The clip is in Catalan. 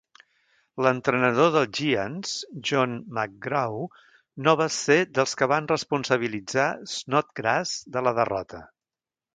L'entrenador dels Giants, John McGraw, no va ser dels que van responsabilitzar Snodgrass de la derrota.